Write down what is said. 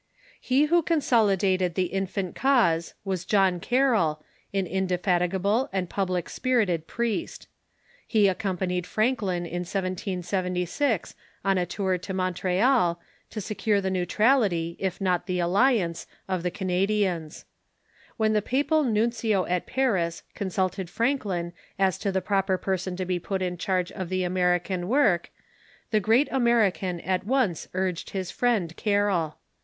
He who consolidated the infant cause was John Carroll, an indefatigable and public spirited priest. He accompanied Franklin in 1776 on a tour to Montreal, to secure Bishop Carroll ,,..„ i i, r i / i t the neutrality, it not the alliance, or the Canadians. When the papal nuncio at Paris consulted Franklin as to the proper person to be put in charge of the American work, the great American at once urged his friend Carroll.